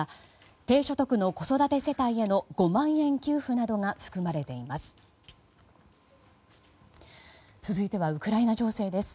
低所得者の子育て世帯への５万円給付などが含まれています。